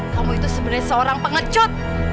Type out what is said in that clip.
kamu itu sebenarnya seorang pengecut